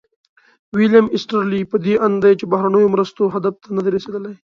ویلیم ایسټیرلي په دې اند دی چې بهرنیو مرستو هدف ته نه دي رسیدلي.